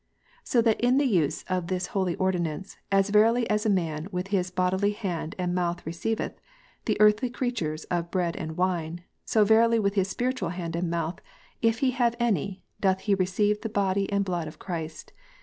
So that in the use of this holy ordinance, as verily as a man with his bodily hand and mouth receiveth the earthly creatures of bread and wine, so verily with his spiritual hand and mouth, if lie have any, doth he receive the body and blood of Christ.